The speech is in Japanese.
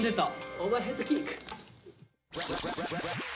オーバーヘッドキック！